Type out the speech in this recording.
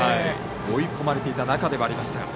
追い込まれていた中でもありました。